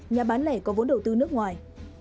nhà bán lẻ có vốn đầu tư nước ngoài